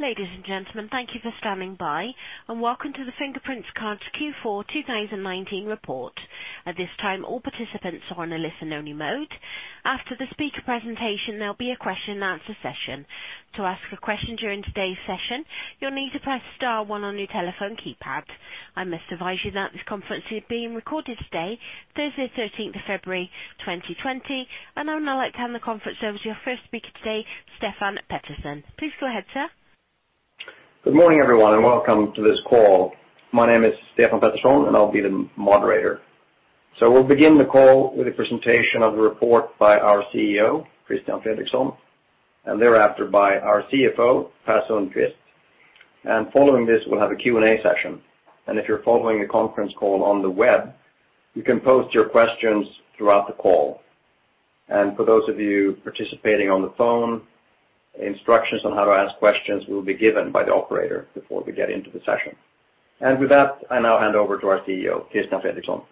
Ladies and gentlemen, thank you for standing by, and welcome to the Fingerprint Cards Q4 2019 report. At this time, all participants are on a listen only mode. After the speaker presentation, there will be a question and answer session. To ask a question during today's session, you will need to press star one on your telephone keypad. I must advise you that this conference is being recorded today, Thursday 13th of February 2020, and I would now like to hand the conference over to your first speaker today, Stefan Pettersson. Please go ahead, sir. Good morning, everyone, and welcome to this call. My name is Stefan Pettersson, and I'll be the moderator. We'll begin the call with a presentation of the report by our CEO, Christian Fredrikson, and thereafter by our CFO, Per Sundqvist, and following this, we'll have a Q&A session. If you're following the conference call on the web, you can post your questions throughout the call. For those of you participating on the phone, instructions on how to ask questions will be given by the operator before we get into the session. With that, I now hand over to our CEO, Christian Fredrikson.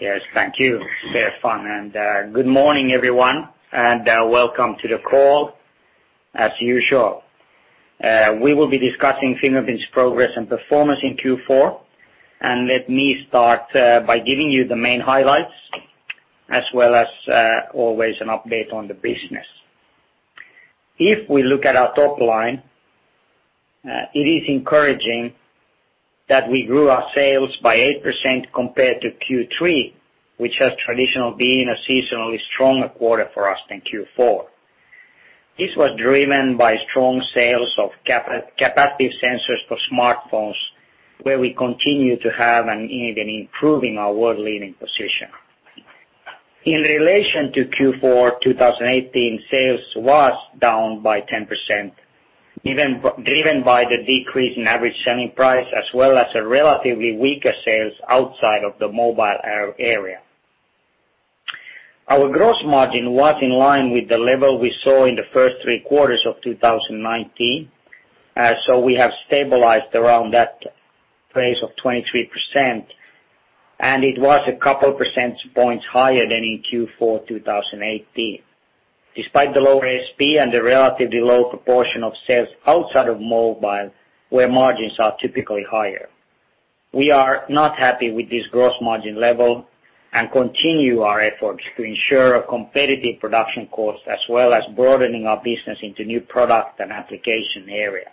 Yes, thank you, Stefan, good morning, everyone, and welcome to the call. As usual, we will be discussing Fingerprint's progress and performance in Q4. Let me start by giving you the main highlights as well as, always, an update on the business. If we look at our top line, it is encouraging that we grew our sales by 8% compared to Q3, which has traditionally been a seasonally stronger quarter for us than Q4. This was driven by strong sales of capacitive sensors for smartphones, where we continue to have and even improving our world-leading position. In relation to Q4 2018, sales was down by 10%, driven by the decrease in average selling price as well as relatively weaker sales outside of the mobile area. Our gross margin was in line with the level we saw in the first three quarters of 2019. We have stabilized around that range of 23%, and it was a couple percentage points higher than in Q4 2018, despite the lower ASP and the relatively low proportion of sales outside of mobile, where margins are typically higher. We are not happy with this gross margin level and continue our efforts to ensure a competitive production cost as well as broadening our business into new product and application areas.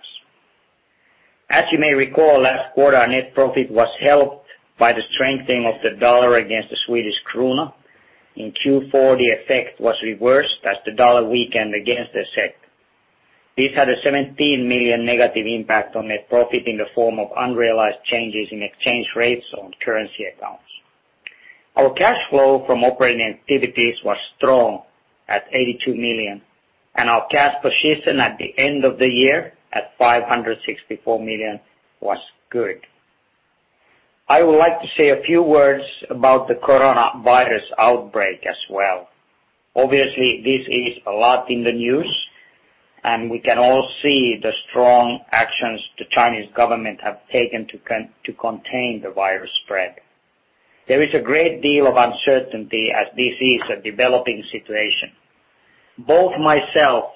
As you may recall, last quarter, our net profit was helped by the strengthening of the US dollar against the Swedish Krona. In Q4, the effect was reversed as the US dollar weakened against the SEK. This had a 17 million negative impact on net profit in the form of unrealized changes in exchange rates on currency accounts. Our cash flow from operating activities was strong at 82 million, and our cash position at the end of the year, at 564 million, was good. I would like to say a few words about the coronavirus outbreak as well. Obviously, this is a lot in the news, and we can all see the strong actions the Chinese government have taken to contain the virus spread. There is a great deal of uncertainty as this is a developing situation. Both myself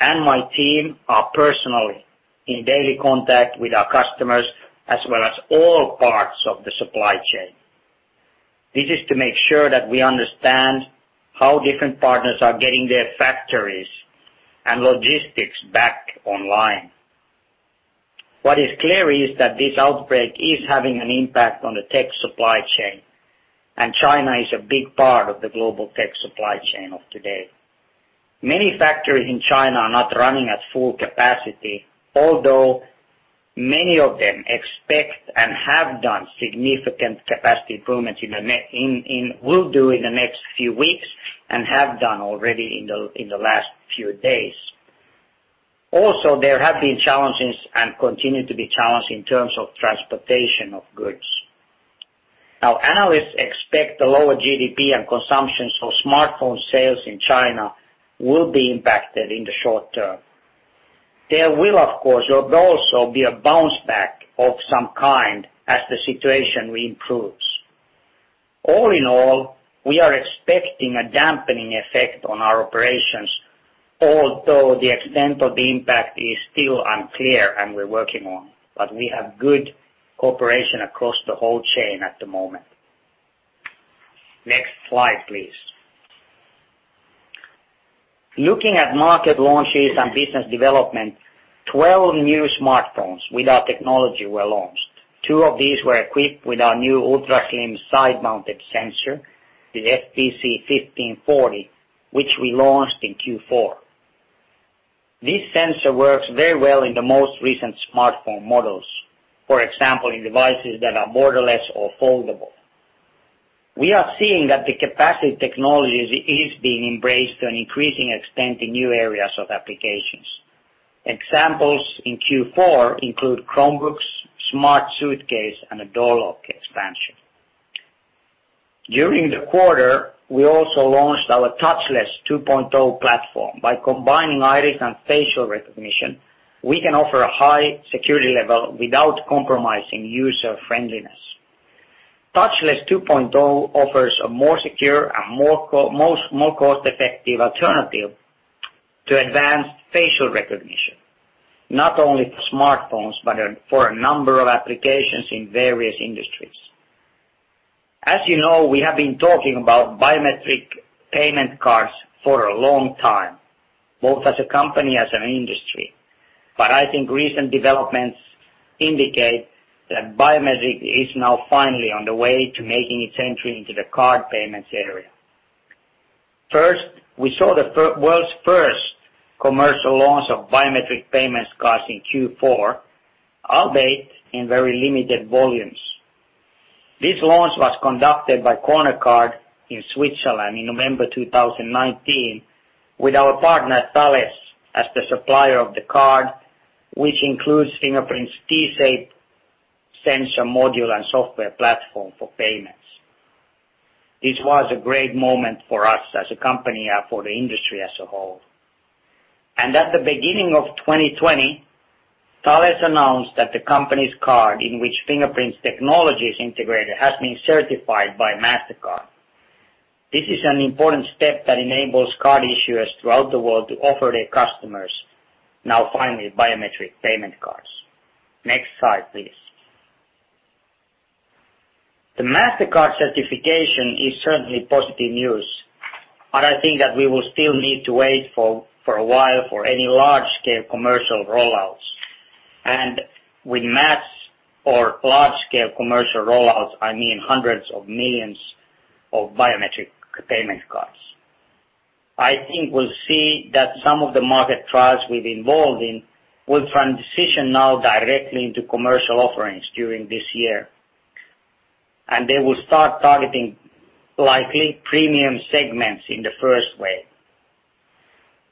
and my team are personally in daily contact with our customers as well as all parts of the supply chain. This is to make sure that we understand how different partners are getting their factories and logistics back online. What is clear is that this outbreak is having an impact on the tech supply chain, and China is a big part of the global tech supply chain of today. Many factories in China are not running at full capacity, although many of them expect and have done significant capacity improvements, will do in the next few weeks and have done already in the last few days. There have been challenges and continue to be challenged in terms of transportation of goods. Analysts expect the lower GDP and consumption, so smartphone sales in China will be impacted in the short term. There will, of course, also be a bounce back of some kind as the situation improves. All in all, we are expecting a dampening effect on our operations, although the extent of the impact is still unclear and we're working on, but we have good cooperation across the whole chain at the moment. Next slide, please. Looking at market launches and business development, 12 new smartphones with our technology were launched. Two of these were equipped with our new ultra-slim side-mounted sensor, the FPC1540, which we launched in Q4. This sensor works very well in the most recent smartphone models. For example, in devices that are borderless or foldable. We are seeing that the capacitive technologies are being embraced to an increasing extent in new areas of applications. Examples in Q4 include Chromebooks, smart suitcase, and a door lock expansion. During the quarter, we also launched our Touchless 2.0 platform. By combining iris and facial recognition, we can offer a high security level without compromising user friendliness. Touchless 2.0 offers a more secure and more cost-effective alternative to advanced facial recognition, not only for smartphones, but for a number of applications in various industries. As you know, we have been talking about biometric payment cards for a long time, both as a company, as an industry. I think recent developments indicate that biometric is now finally on the way to making its entry into the card payments area. First, we saw the world's first commercial launch of biometric payment cards in Q4, albeit in very limited volumes. This launch was conducted by Cornèrcard in Switzerland in November 2019 with our partner Thales as the supplier of the card, which includes Fingerprint's T-Shape sensor module and software platform for payments. This was a great moment for us as a company and for the industry as a whole. At the beginning of 2020, Thales announced that the company's card, in which Fingerprint's technology is integrated, has been certified by Mastercard. This is an important step that enables card issuers throughout the world to offer their customers now finally biometric payment cards. Next slide, please. The Mastercard certification is certainly positive news, but I think that we will still need to wait for a while for any large-scale commercial rollouts. With mass or large-scale commercial rollouts, I mean hundreds of millions of biometric payment cards. I think we'll see that some of the market trials we've been involved in will transition now directly into commercial offerings during this year. They will start targeting likely premium segments in the first wave.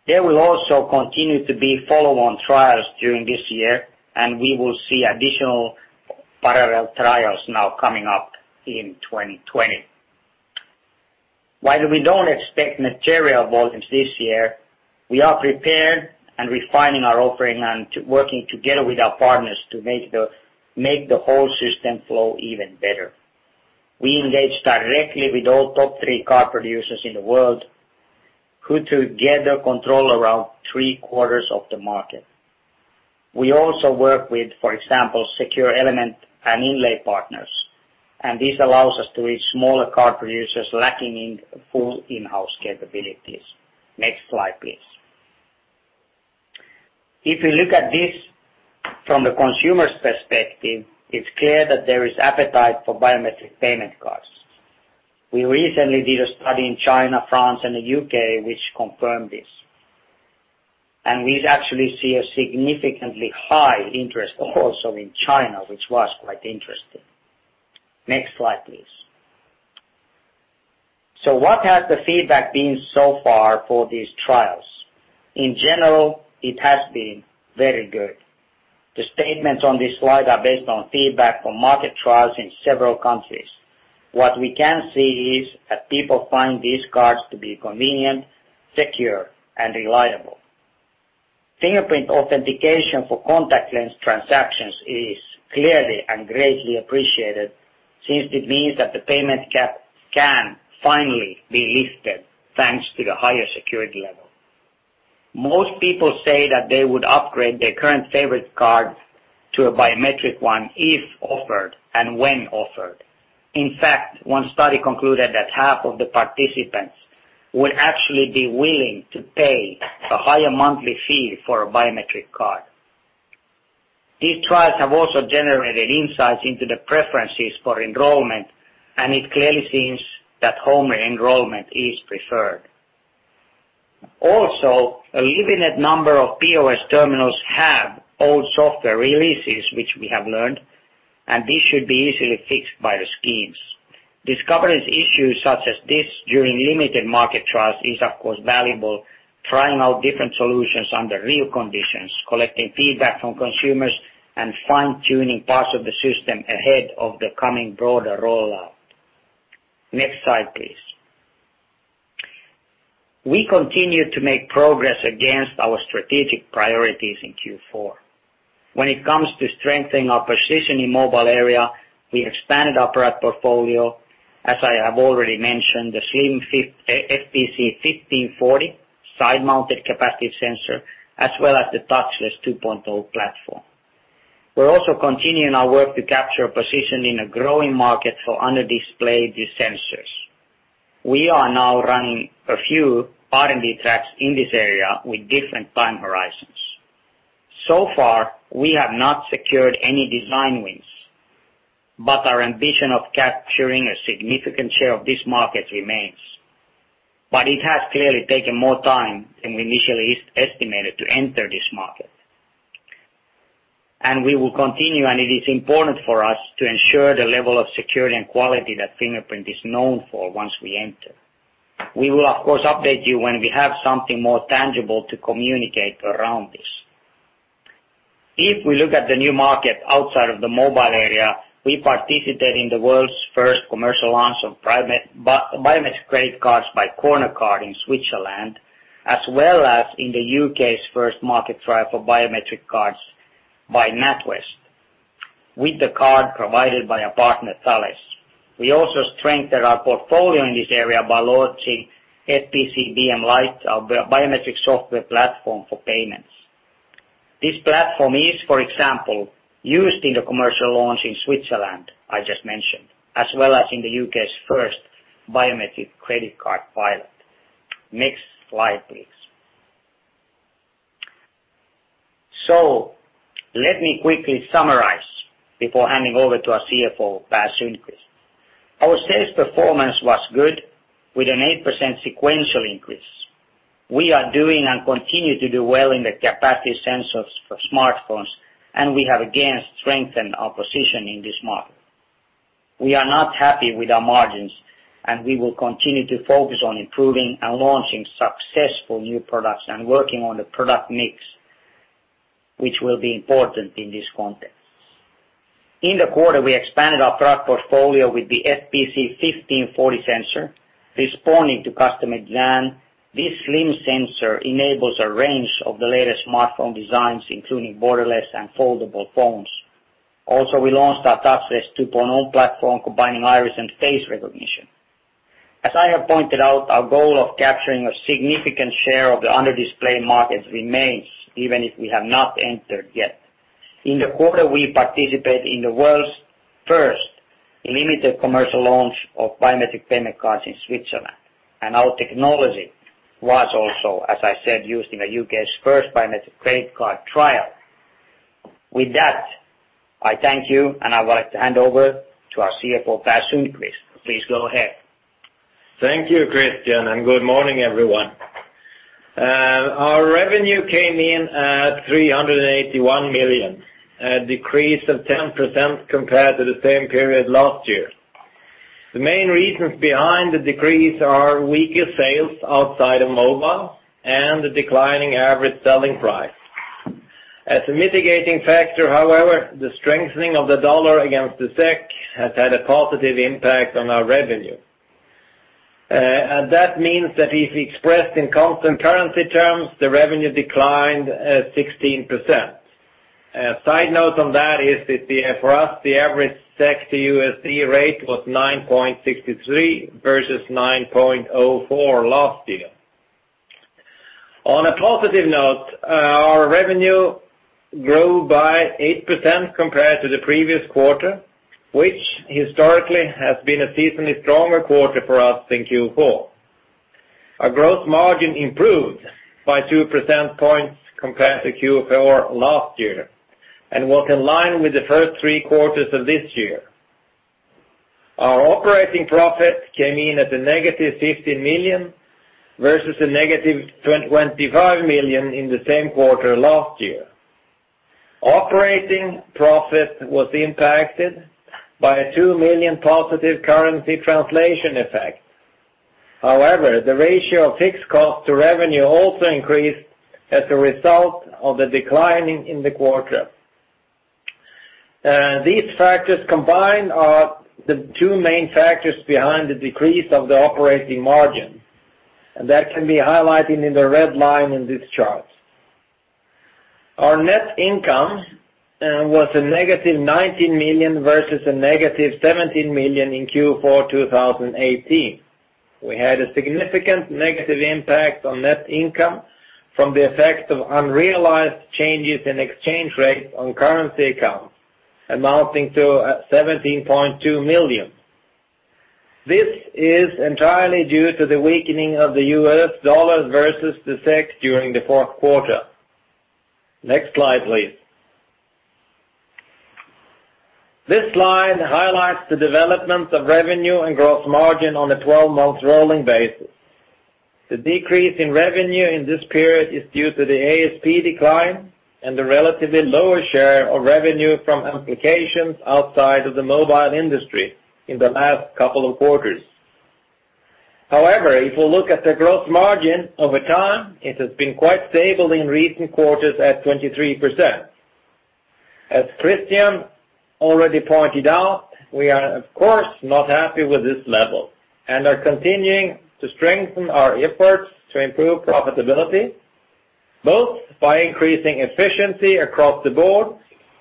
There will also continue to be follow-on trials during this year, and we will see additional parallel trials now coming up in 2020. While we don't expect material volumes this year, we are prepared and refining our offering and working together with our partners to make the whole system flow even better. We engage directly with all top three card producers in the world, who together control around three-quarters of the market. We also work with, for example, secure element and inlay partners. This allows us to reach smaller card producers lacking in full in-house capabilities. Next slide, please. If you look at this from the consumer's perspective, it's clear that there is appetite for biometric payment cards. We recently did a study in China, France, and the U.K. which confirmed this. We've actually seen a significantly high interest also in China, which was quite interesting. Next slide, please. What has the feedback been so far for these trials? In general, it has been very good. The statements on this slide are based on feedback from market trials in several countries. What we can see is that people find these cards to be convenient, secure, and reliable. Fingerprint authentication for contactless transactions is clearly and greatly appreciated since it means that the payment cap can finally be lifted thanks to the higher security level. Most people say that they would upgrade their current favorite card to a biometric one if offered and when offered. In fact, one study concluded that half of the participants would actually be willing to pay a higher monthly fee for a biometric card. These trials have also generated insights into the preferences for enrollment, and it clearly seems that home enrollment is preferred. Also, a limited number of POS terminals have old software releases, which we have learned, and this should be easily fixed by the schemes. Discovering issues such as this during limited market trials is, of course, valuable, trying out different solutions under real conditions, collecting feedback from consumers, and fine-tuning parts of the system ahead of the coming broader rollout. Next slide, please. We continued to make progress against our strategic priorities in Q4. When it comes to strengthening our position in mobile area, we expanded our product portfolio. As I have already mentioned, the slim FPC1540 side-mounted capacitive sensor, as well as the Touchless 2.0 platform. We're also continuing our work to capture a position in a growing market for under-display sensors. We are now running a few R&D tracks in this area with different time horizons. So far, we have not secured any design wins, but our ambition of capturing a significant share of this market remains. It has clearly taken more time than we initially estimated to enter this market. We will continue, and it is important for us to ensure the level of security and quality that Fingerprint is known for once we enter. We will, of course, update you when we have something more tangible to communicate around this. If we look at the new market outside of the mobile area, we participated in the world's first commercial launch of biometric credit cards by Cornèrcard in Switzerland, as well as in the U.K.'s first market trial for biometric cards by NatWest, with the card provided by our partner, Thales. We also strengthened our portfolio in this area by launching FPC BM-Lite, our biometric software platform for payments. This platform is, for example, used in the commercial launch in Switzerland I just mentioned, as well as in the U.K.'s first biometric credit card pilot. Next slide, please. Let me quickly summarize before handing over to our CFO, Per Sundqvist. Our sales performance was good, with an 8% sequential increase. We are doing and continue to do well in the capacitive sensors for smartphones, and we have again strengthened our position in this market. We are not happy with our margins, and we will continue to focus on improving and launching successful new products and working on the product mix, which will be important in this context. In the quarter, we expanded our product portfolio with the FPC1540 sensor, responding to customer demand. This slim sensor enables a range of the latest smartphone designs, including borderless and foldable phones. Also, we launched our Touchless 2.0 platform combining iris and face recognition. As I have pointed out, our goal of capturing a significant share of the under-display market remains, even if we have not entered yet. In the quarter, we participated in the world's first limited commercial launch of biometric payment cards in Switzerland, and our technology was also, as I said, used in the U.K.'s first biometric credit card trial. With that, I thank you, and I would like to hand over to our CFO, Per Sundqvist. Please go ahead. Thank you, Christian. Good morning, everyone. Our revenue came in at 381 million, a decrease of 10% compared to the same period last year. The main reasons behind the decrease are weaker sales outside of mobile and the declining average selling price. As a mitigating factor, however, the strengthening of the dollar against the SEK has had a positive impact on our revenue. That means that if expressed in constant currency terms, the revenue declined 16%. A side note on that is that for us, the average SEK to USD rate was 9.63 versus 9.04 last year. On a positive note, our revenue grew by 8% compared to the previous quarter, which historically has been a seasonally stronger quarter for us than Q4. Our gross margin improved by two percentage points compared to Q4 last year and was in line with the first three quarters of this year. Our operating profit came in at a 15 million, versus a negative 25 million in the same quarter last year. Operating profit was impacted by a 2 million positive currency translation effect. However, the ratio of fixed cost to revenue also increased as a result of the decline in the quarter. These factors combined are the two main factors behind the decrease of the operating margin. That can be highlighted in the red line in this chart. Our net income was a negative 19 million versus a negative 17 million in Q4 2018. We had a significant negative impact on net income from the effect of unrealized changes in exchange rates on currency accounts, amounting to 17.2 million. This is entirely due to the weakening of the US dollar versus the SEK during the fourth quarter. Next slide, please. This slide highlights the development of revenue and gross margin on a 12-month rolling basis. The decrease in revenue in this period is due to the ASP decline and the relatively lower share of revenue from applications outside of the mobile industry in the last couple of quarters. If we look at the gross margin over time, it has been quite stable in recent quarters at 23%. As Christian already pointed out, we are, of course, not happy with this level and are continuing to strengthen our efforts to improve profitability, both by increasing efficiency across the board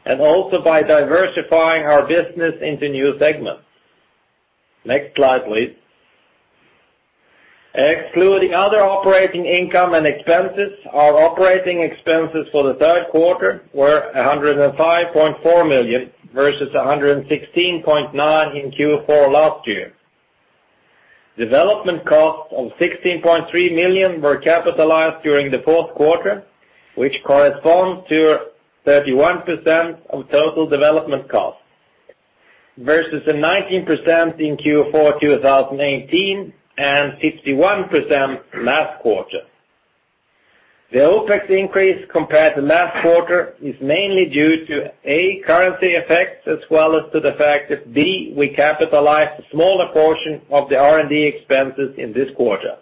and also by diversifying our business into new segments. Next slide, please. Excluding other operating income and expenses, our operating expenses for the third quarter were 105.4 million, versus 116.9 in Q4 last year. Development costs of 16.3 million were capitalized during the fourth quarter, which corresponds to 31% of total development costs versus the 19% in Q4 2018 and 51% last quarter. The OpEx increase compared to last quarter is mainly due to, A, currency effects, as well as to the fact that, B, we capitalized a smaller portion of the R&D expenses in this quarter.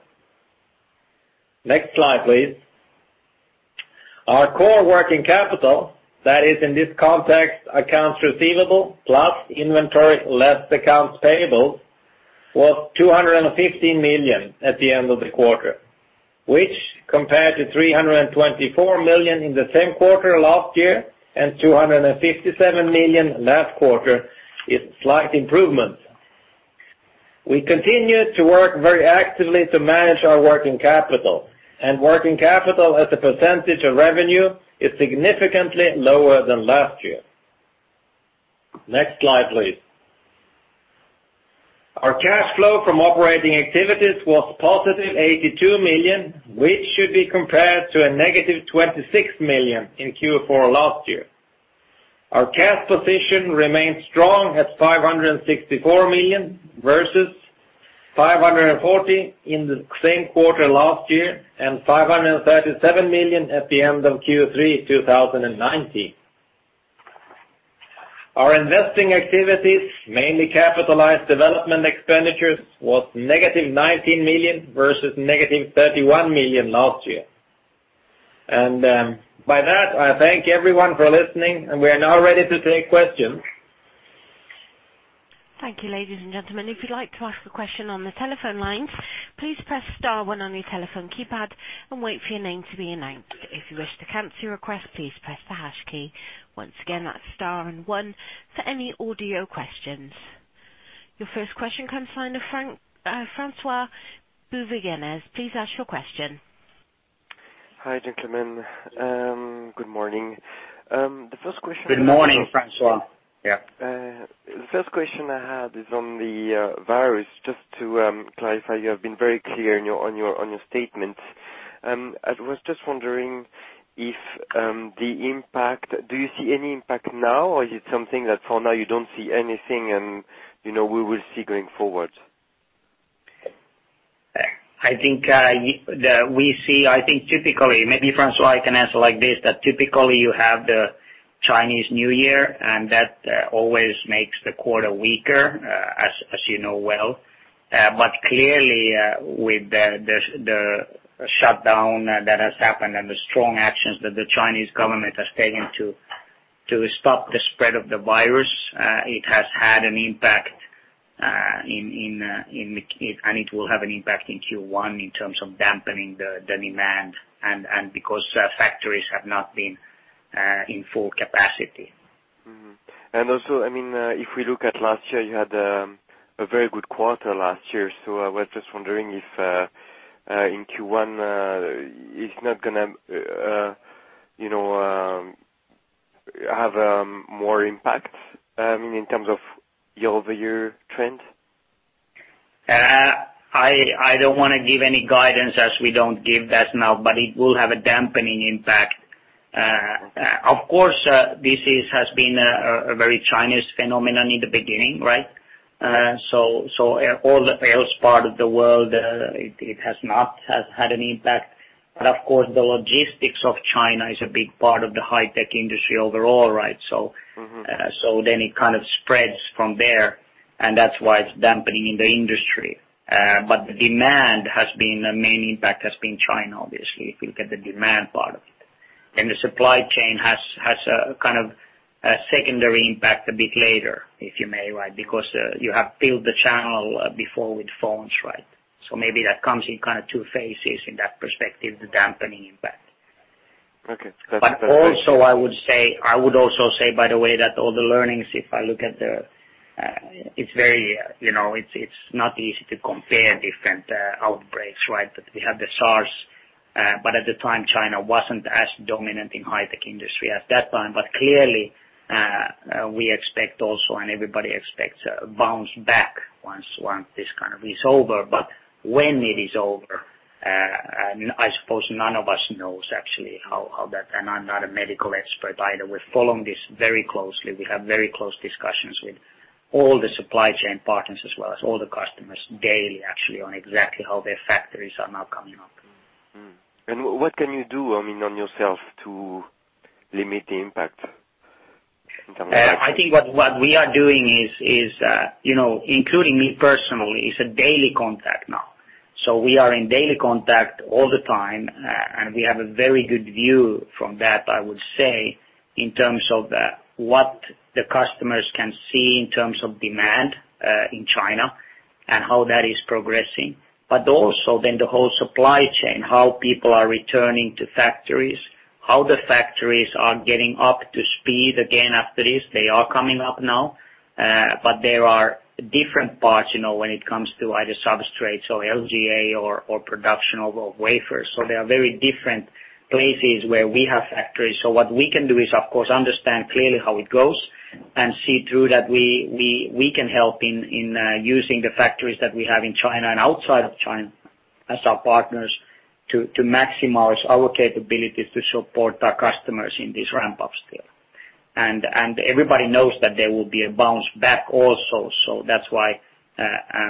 Next slide, please. Our core working capital, that is in this context, accounts receivable plus inventory, less accounts payable was 215 million at the end of the quarter, which compared to 324 million in the same quarter last year, and 257 million last quarter, is slight improvement. We continue to work very actively to manage our working capital. Working capital as a percentage of revenue is significantly lower than last year. Next slide, please. Our cash flow from operating activities was positive 82 million, which should be compared to a negative 26 million in Q4 last year. Our cash position remains strong at 564 million, versus 540 in the same quarter last year, and 537 million at the end of Q3 2019. Our investing activities, mainly capitalized development expenditures, was negative 19 million versus negative 31 million last year. By that, I thank everyone for listening, and we are now ready to take questions. Thank you, ladies and gentlemen. If you'd like to ask a question on the telephone lines, please press star one on your telephone keypad and wait for your name to be announced. If you wish to cancel your request, please press the hash key. Once again, that's star and one for any audio questions. Your first question comes from François Bouvignies. Please ask your question. Hi, gentlemen. Good morning. Good morning, François. Yeah. The first question I had is on the virus, just to clarify, you have been very clear on your statement. I was just wondering, do you see any impact now, or is it something that for now you don't see anything and we will see going forward? I think that we see, I think typically, maybe François, I can answer like this, that typically you have the Chinese New Year, that always makes the quarter weaker, as you know well. Clearly, with the shutdown that has happened and the strong actions that the Chinese government has taken to stop the spread of the virus, it has had an impact, it will have an impact in Q1 in terms of dampening the demand because factories have not been in full capacity. Mm-hmm. Also, if we look at last year, you had a very good quarter last year. I was just wondering if in Q1 it's not going to have more impact, in terms of year-over-year trend? I don't want to give any guidance as we don't give that now, but it will have a dampening impact. Of course, this has been a very Chinese phenomenon in the beginning, right? All the else part of the world, it has not had an impact. Of course, the logistics of China is a big part of the high tech industry overall, right? It kind of spreads from there, and that's why it's dampening in the industry. The demand has been, the main impact has been China, obviously, if you look at the demand part of it. The supply chain has a kind of a secondary impact a bit later, if you may. Because you have filled the channel before with phones, right? Maybe that comes in two phases in that perspective, the dampening impact. Okay. Also I would say, by the way, that all the learnings. It's not easy to compare different outbreaks, right? We had the SARS, but at the time China wasn't as dominant in high tech industry at that time. Clearly, we expect also, and everybody expects a bounce back once this kind of is over. When it is over, I suppose none of us knows actually how that, and I'm not a medical expert either. We're following this very closely. We have very close discussions with all the supply chain partners, as well as all the customers daily, actually, on exactly how their factories are now coming up. What can you do, I mean, on yourself to limit the impact in terms of. I think what we are doing is, including me personally, is a daily contact now. We are in daily contact all the time, and we have a very good view from that, I would say, in terms of what the customers can see in terms of demand in China and how that is progressing, also then the whole supply chain, how people are returning to factories, how the factories are getting up to speed again after this. They are coming up now. There are different parts when it comes to either substrates or LGA or production of wafers. There are very different places where we have factories. What we can do is of course understand clearly how it goes and see through that we can help in using the factories that we have in China and outside of China as our partners to maximize our capabilities to support our customers in this ramp-up scale. Everybody knows that there will be a bounce back also. That's why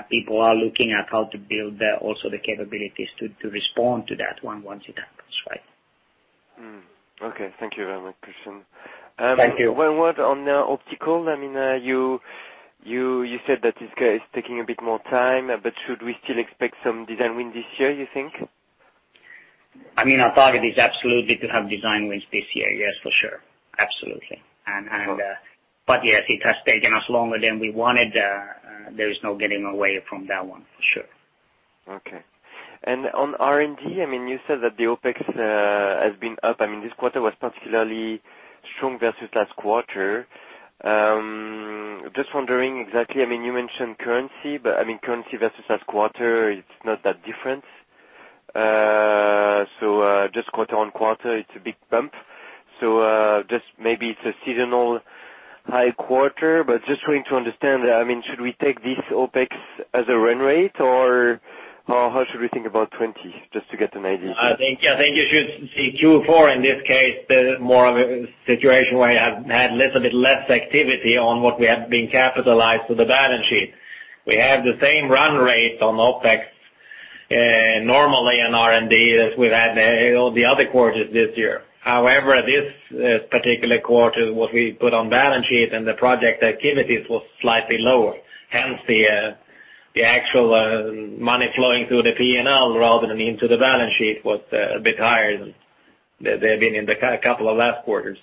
people are looking at how to build also the capabilities to respond to that one once it happens, right? Mm-hmm. Okay. Thank you very much, Christian. Thank you. One word on optical. You said that it's taking a bit more time. Should we still expect some design win this year, you think? Our target is absolutely to have design wins this year. Yes, for sure. Absolutely. Yes, it has taken us longer than we wanted. There is no getting away from that one, for sure. Okay. On R&D, you said that the OpEx has been up. This quarter was particularly strong versus last quarter. Just wondering exactly, you mentioned currency, but currency versus last quarter, it's not that different. Just quarter-on-quarter, it's a big bump. Just maybe it's a seasonal high quarter, but just wanting to understand, should we take this OpEx as a run rate, or how should we think about 2020, just to get an idea? I think you should see Q4 in this case, more of a situation where you have had a little bit less activity on what we have been capitalized to the balance sheet. We have the same run rate on OpEx, normally in R&D as we've had in all the other quarters this year. However, this particular quarter, what we put on balance sheet and the project activities was slightly lower. Hence, the actual money flowing through the P&L rather than into the balance sheet was a bit higher than they've been in the couple of last quarters.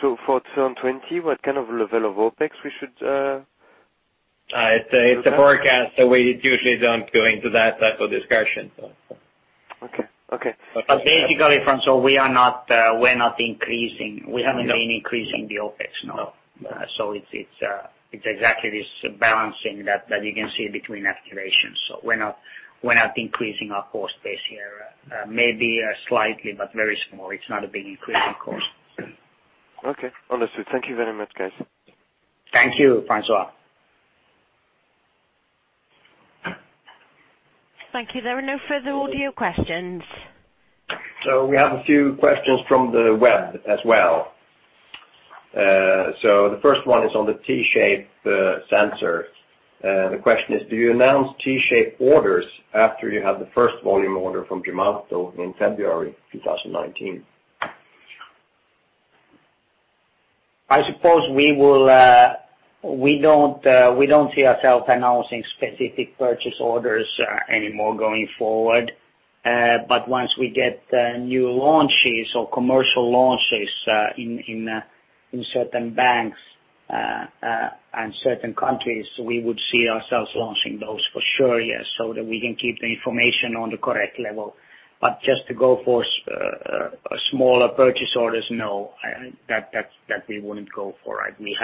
For 2020, what kind of level of OpEx we should? It's a forecast, so we usually don't go into that type of discussion. Okay. Basically, François, we're not increasing. We haven't been increasing the OpEx. No. No. It's exactly this balancing that you can see between activations. We're not increasing our cost base here, maybe slightly, but very small. It's not a big increase, of course. Okay. Understood. Thank you very much, guys. Thank you, François. Thank you. There are no further audio questions. We have a few questions from the web as well. The first one is on the T-Shape sensor. The question is: Do you announce T-Shape orders after you have the first volume order from Gemalto in February 2019? I suppose we don't see ourselves announcing specific purchase orders anymore going forward. Once we get new launches or commercial launches in certain banks, and certain countries, we would see ourselves launching those for sure, yes. That we can keep the information on the correct level. Just to go for smaller purchase orders, no, that we wouldn't go for. We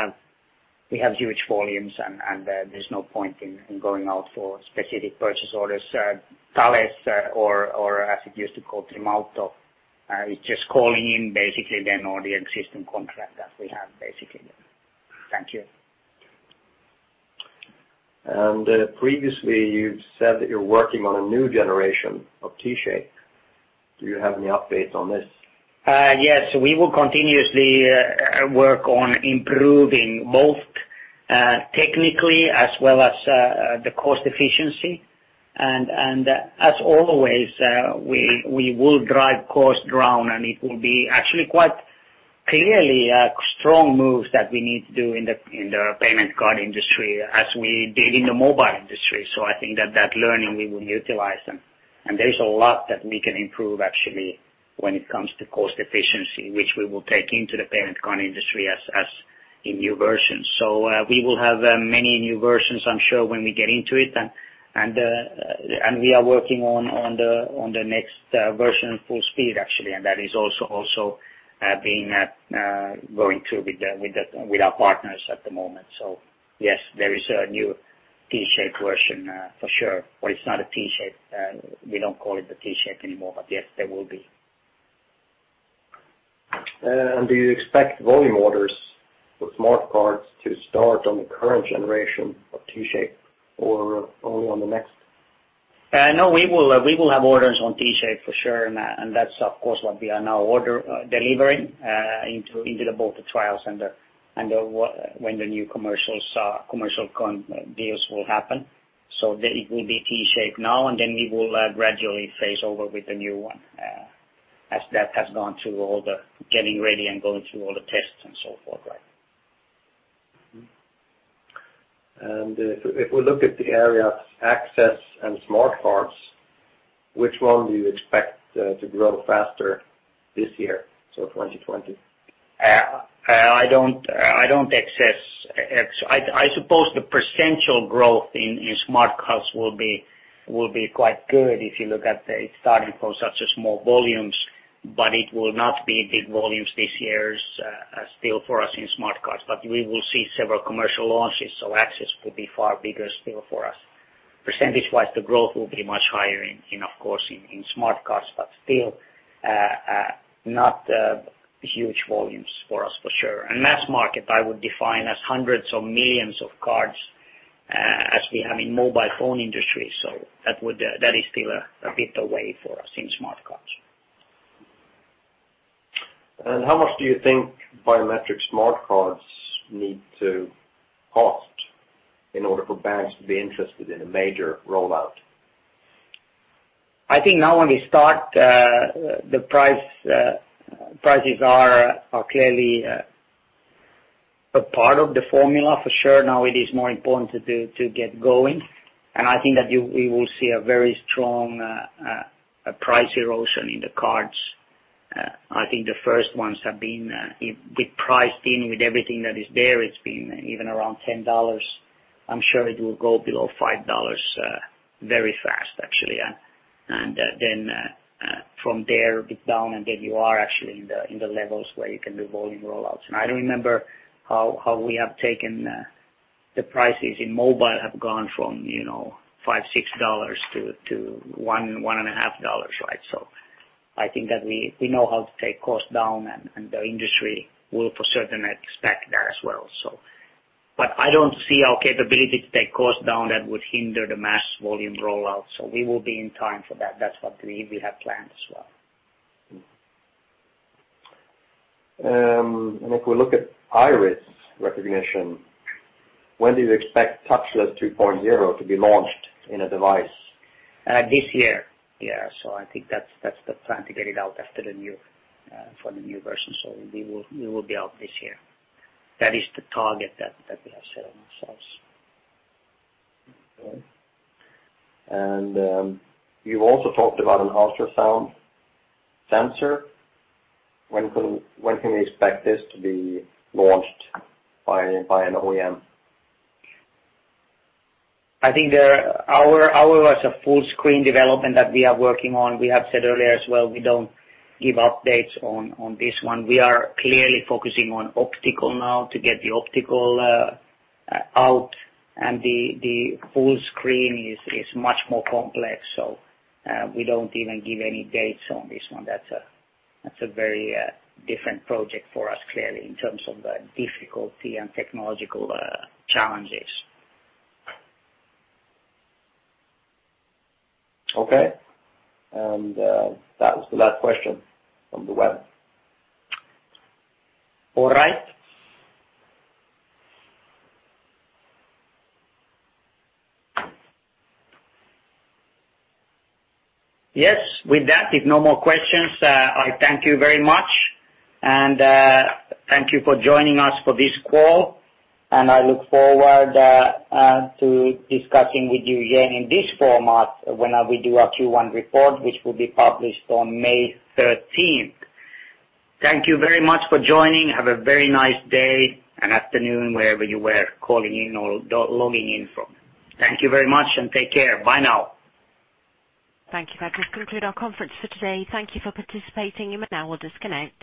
have huge volumes, and there's no point in going out for specific purchase orders. Thales or as it used to call Gemalto, is just calling in basically then on the existing contract that we have, basically. Thank you. Previously, you've said that you're working on a new generation of T-Shape. Do you have any updates on this? Yes. We will continuously work on improving both technically as well as the cost efficiency. As always, we will drive cost down, and it will be actually quite clearly a strong move that we need to do in the payment card industry as we did in the mobile industry. I think that that learning we will utilize them. There is a lot that we can improve actually, when it comes to cost efficiency, which we will take into the payment card industry as a new version. We will have many new versions, I'm sure, when we get into it. We are working on the next version full speed, actually. That is also going through with our partners at the moment. Yes, there is a new T-Shape version for sure. Well, it's not a T-Shape. We don't call it the T-Shape anymore, but yes, there will be. Do you expect volume orders for smart cards to start on the current generation of T-Shape or only on the next? We will have orders on T-Shape for sure, that's of course what we are now order delivering into both the trials and when the new commercial deals will happen. It will be T-Shape now then we will gradually phase over with the new one as that has gone through all the getting ready and going through all the tests and so forth, right. If we look at the area of access and smart cards, which one do you expect to grow faster this year, so 2020? I don't access. I suppose the potential growth in smart cards will be quite good if you look at it starting from such a small volumes, it will not be big volumes this year, still for us in smart cards. We will see several commercial launches, access will be far bigger still for us. Percentage-wise, the growth will be much higher of course, in smart cards, still not huge volumes for us, for sure. Mass market, I would define as hundreds of millions of cards, as we have in mobile phone industry. That is still a bit away for us in smart cards. How much do you think biometric payment cards need to cost in order for banks to be interested in a major rollout? I think now when we start, the prices are clearly a part of the formula for sure. It is more important to get going, and I think that we will see a very strong price erosion in the cards. I think the first ones have been, with price in, with everything that is there, it's been even around $10. I'm sure it will go below $5 very fast, actually. From there, bit down, and then you are actually in the levels where you can do volume rollouts. I remember how we have taken the prices in mobile have gone from $5, $6 to $1, $1.50. I think that we know how to take costs down, and the industry will for certain expect that as well. I don't see our capability to take costs down that would hinder the mass volume rollout. We will be in time for that. That's what we have planned as well. If we look at iris recognition, when do you expect Touchless 3.0 to be launched in a device? This year. I think that's the plan, to get it out after the new version. We will be out this year. That is the target that we have set on ourselves. Okay. You've also talked about an ultrasound sensor. When can we expect this to be launched by an OEM? I think there are a full screen development that we are working on. We have said earlier as well, we don't give updates on this one. We are clearly focusing on optical now to get the optical out. The full screen is much more complex. We don't even give any dates on this one. That's a very different project for us, clearly, in terms of the difficulty and technological challenges. Okay. That was the last question from the web. All right. Yes. With that, if no more questions, I thank you very much, and thank you for joining us for this call. I look forward to discussing with you again in this format when we do our Q1 report, which will be published on May 13th. Thank you very much for joining. Have a very nice day and afternoon, wherever you were calling in or logging in from. Thank you very much and take care. Bye now. Thank you. That does conclude our conference for today. Thank you for participating. You may now disconnect.